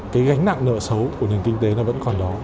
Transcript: cái gánh nặng nợ xấu của nền kinh tế nó vẫn còn đó